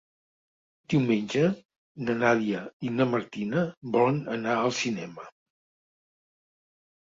Diumenge na Nàdia i na Martina volen anar al cinema.